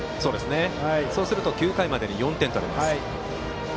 そうすると９回までに４点取れます。